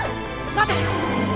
待て！